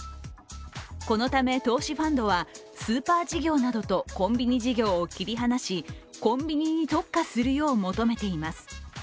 このため投資ファンドはスーパー事業などとコンビニ事業を切り離し、コンビニに特化するよう求めています。